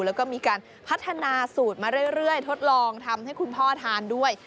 แล้วก็มีการพัฒนาสูตรมาเรื่อยทดลองทำให้คุณพ่อทานด้วย